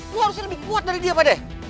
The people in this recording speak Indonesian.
gue harusnya lebih kuat dari dia pak deh